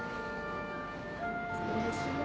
失礼します。